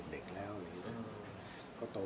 ก็โตไปผู้ใหญ่แล้วต่างคนก็มีหน้าที่ต้องทำ